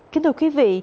kính thưa quý vị